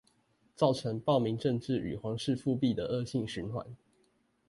造成暴民政治與皇室復辟的惡性循環